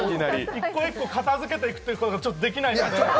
１個１個片づけていくことができないので。